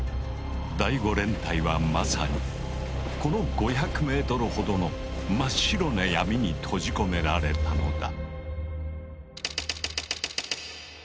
第５連隊はまさにこの５００ｍほどの「真っ白な闇」に閉じ込められたのだ。